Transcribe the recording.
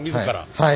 はい。